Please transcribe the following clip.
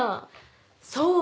そう。